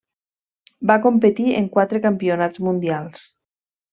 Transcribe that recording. Va competir en quatre campionats mundials.